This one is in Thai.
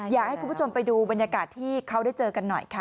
อยากให้คุณผู้ชมไปดูบรรยากาศที่เขาได้เจอกันหน่อยค่ะ